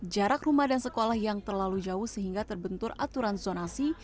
jarak rumah dan sekolah yang terlalu jauh sehingga terbentur aturan zonasi